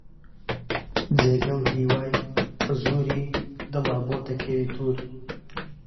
جێگە و هیوای حوزووری دڵە بۆتە کێوی توور